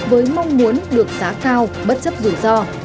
với mong muốn được giá cao bất chấp rủi ro